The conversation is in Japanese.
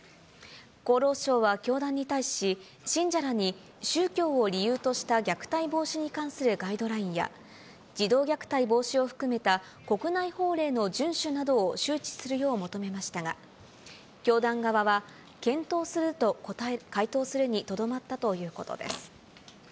厚労省は教団に対し、信者らに宗教を理由とした虐待防止に関するガイドラインや、児童虐待防止を含めた国内法令の順守などを周知するよう求めましたが、教団側は、検討すると回答するにとどまったということです。